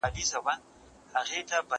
هغه وويل چي سیر ګټور دی!؟